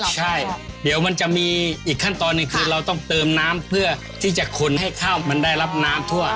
ใช่เดี๋ยวมันจะมีอีกขั้นตอนหนึ่งคือเราต้องเติมน้ำเพื่อที่จะขนให้ข้าวมันได้รับน้ำทั่ว